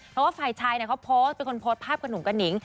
เพราะว่าฝ่ายชายเขาโพสต์เป็นคนโพสต์ภาพกับหนุ่มกระหนิง